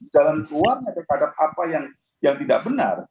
jalan keluar daripada apa yang tidak benar